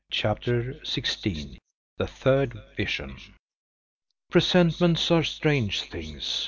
CHAPTER XVI. THE THIRD VISION. Presentiments are strange things.